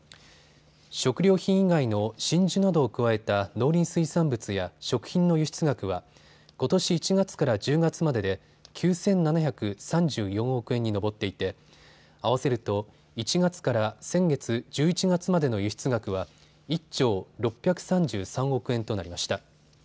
食料品以外の真珠などを加えた農林水産物や食品の輸出額はことし１月から１０月までで９７３４億円に上っていて合わせると１月から先月１１月までの輸出額は１兆６３３億円となりました。